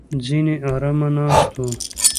ځینې ارامه ناست وو.